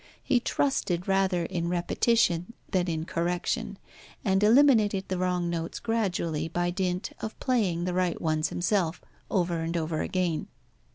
He trusted rather in repetition than in correction, and eliminated the wrong notes gradually by dint of playing the right ones himself over and over again.